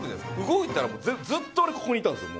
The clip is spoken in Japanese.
動いたらずっと俺ここにいたんですよ